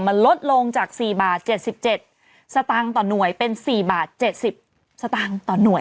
มันลดลงจาก๔บาท๗๗สตางค์ต่อหน่วยเป็น๔บาท๗๐สตางค์ต่อหน่วย